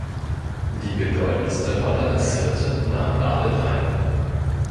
Die bedeutendste Rolle als Hirte nahm David ein.